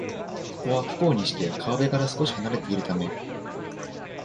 ここは、不幸にして川辺から少しはなれているため